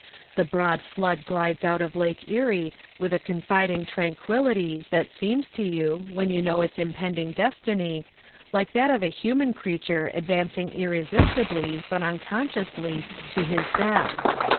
The broad flood glides out of Lake Erie with a confiding tranquillity that seems to you, when you know its impending destiny, like that of a human creature advancing irresistibly, but unconsciously, to his death.